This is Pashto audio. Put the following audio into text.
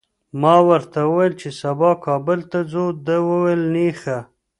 ما ورته وویل چي سبا کابل ته ځو، ده وویل نېخه!